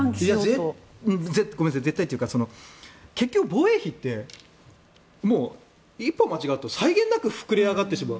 ごめんなさい絶対というか防衛費って一歩間違うと際限なく膨れ上がってしまう。